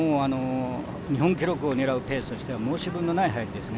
日本記録を狙うペースとしては、申し分のない入りですね。